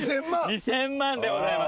２０００万でございます。